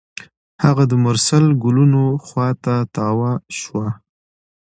هغه د مرسل ګلونو خوا ته تاوه شوه.